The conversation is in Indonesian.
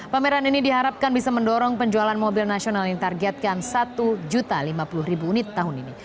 pameran ini diharapkan bisa mendorong penjualan mobil nasional yang targetkan satu lima puluh unit tahun ini